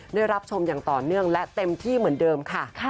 ได้รับชมอย่างต่อเนื่องและเต็มที่เหมือนเดิมค่ะ